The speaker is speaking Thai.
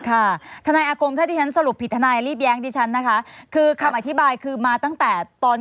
ค่ะขณะอายกรมให้ที่ฉันสรุปผิดกันไว้รีบแย่กินกันนะคะคือคำอธิบายคือมาตั้งแต่ตอน